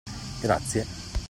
Grazie.